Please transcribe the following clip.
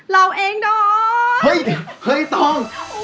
เราเองโดน